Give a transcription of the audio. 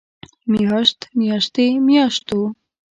مياشت، مياشتې، مياشتو